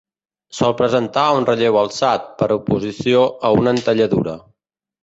Sol presentar un relleu alçat, per oposició a una entalladura.